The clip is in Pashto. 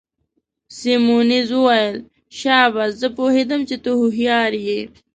سیمونز وویل: شاباس، زه پوهیدم چي ته هوښیار يې.